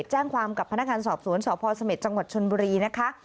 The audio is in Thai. แจ้งความกับพนักงานสอบสวนสพเสม็จจังหวัดชนบุรีนะคะ